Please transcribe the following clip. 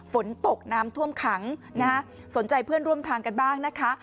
ฝนตกน้ำท่วมขังนะคะสนใจเพื่อนร่วมทางกันบ้างนะคะ